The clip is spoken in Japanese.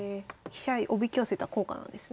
飛車おびき寄せた効果なんですね。